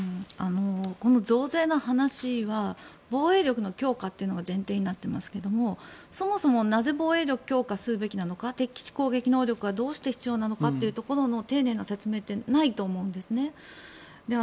この増税の話は防衛力の強化というのが前提になっていますけれどもそもそもなぜ防衛力を強化するべきなのか敵基地攻撃能力はどうして必要なのかというところの丁寧な説明ってないと思うんですね。